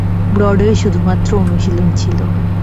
Broadway শুধুমাত্র অনুশীলন ছিল।